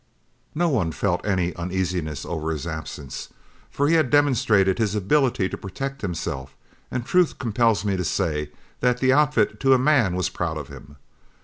No one felt any uneasiness over his absence, for he had demonstrated his ability to protect himself; and truth compels me to say that the outfit to a man was proud of him.